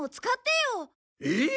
えっ？